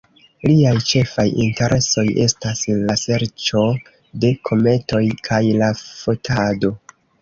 Liaj ĉefaj interesoj estas la serĉo de kometoj kaj la fotado.